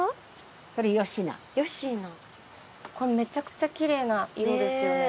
これめちゃくちゃキレイな色ですよね。